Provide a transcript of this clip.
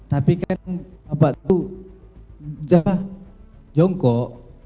tapi kan bapak itu jangkok